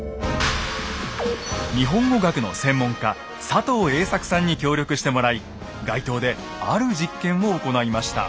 佐藤栄作さんに協力してもらい街頭である実験を行いました。